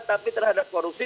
tapi terhadap korupsi